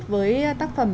với tác phẩm mà